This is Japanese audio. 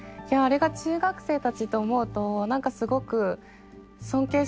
いやあれが中学生たちと思うと何かすごく尊敬しますね。